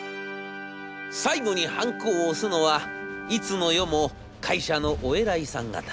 最後にハンコを押すのはいつの世も会社のお偉いさん方。